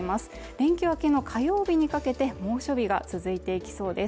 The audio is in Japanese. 連休明けの火曜日にかけて猛暑日が続いていきそうです。